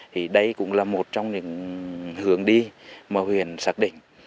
thì đây cũng là một trong những hướng đi mà huyện xác định